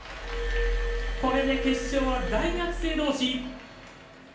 これで決勝は大学生どうし。